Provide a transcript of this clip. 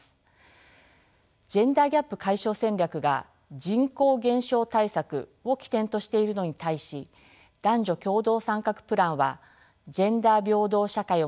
ジェンダーギャップ解消戦略が人口減少対策を起点としているのに対し男女共同参画プランはジェンダー平等社会を目指す包括的な政策です。